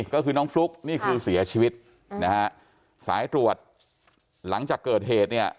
ก็คือน้องฟลุ๊กนี่คือเสียชีวิตนะฮะสายตรวจหลังจากเกิดเหตุเนี่ย